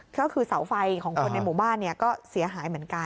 ก็คือเสาไฟของคนในหมู่บ้านก็เสียหายเหมือนกัน